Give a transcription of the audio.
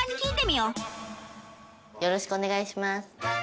よろしくお願いします。